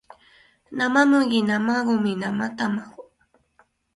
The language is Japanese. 生麦生ゴミ生卵